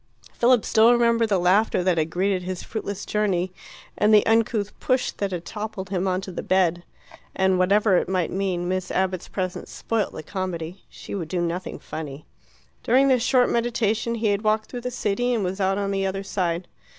Philip still remembered the laughter that had greeted his fruitless journey, and the uncouth push that had toppled him on to the bed. And whatever it might mean, Miss Abbott's presence spoilt the comedy: she would do nothing funny. During this short meditation he had walked through the city, and was out on the other side.